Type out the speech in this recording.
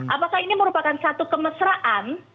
apakah ini merupakan satu kemesraan